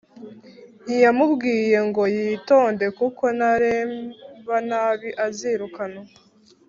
yamubwiye ngo yitonde kuko nareba nabi azirukanwa